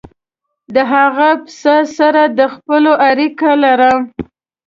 د هغه پسه سره د خپلوۍ اړیکه لرم.